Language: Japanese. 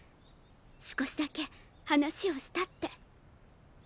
少しだけ話をしたって。